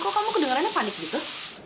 kok kamu kedengarannya panik gitu